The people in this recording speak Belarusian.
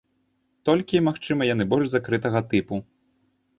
Толькі, магчыма, яны больш закрытага тыпу.